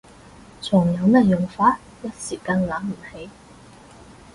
仲有咩用法？一時間諗唔起